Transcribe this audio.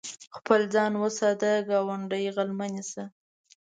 خپل ځان وساته، ګاونډی غل مه نيسه.